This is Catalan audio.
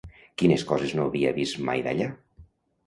Quines coses no havia vist mai d'allà?